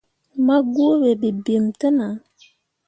Ma guuɓe bebemme te nah.